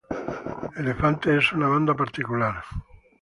Elefante es una banda particular.